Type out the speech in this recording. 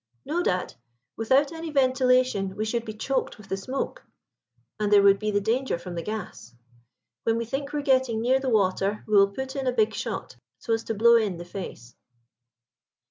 "No, dad; without any ventilation we should be choked with the smoke, and there would be the danger from the gas. When we think we are getting near the water we will put in a big shot, so as to blow in the face."